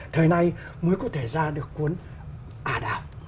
thời nay mới có thể ra được cuốn ả đạo